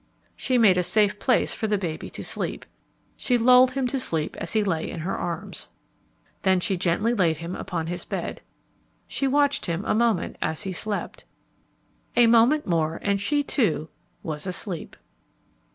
She made a safe place for the baby to sleep. She lulled him to sleep as he lay in her arms. Then she gently laid him upon his bed. She watched him a moment as he slept. A moment more and she, too, was asleep.